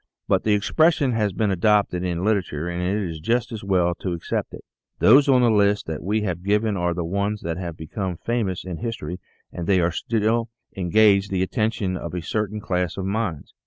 But the expression has been adopted in literature and it is just as well to accept it. Those on the list that we have given are the ones that have become famous in history and they still engage the attention of a certain class of minds.